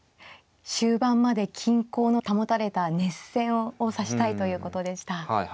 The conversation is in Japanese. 終盤まで均衡の保たれた熱戦を指したいということでした。